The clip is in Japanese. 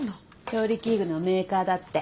調理器具のメーカーだって。